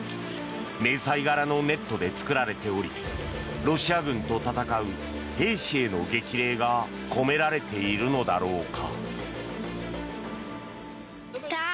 迷彩柄のネットで作られておりロシア軍と戦う兵士への激励が込められているのだろうか。